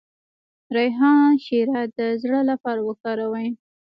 د ریحان شیره د زړه لپاره وکاروئ